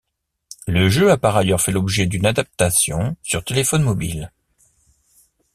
Le jeu a par ailleurs fait l'objet d'une adaptation sur téléphones mobiles.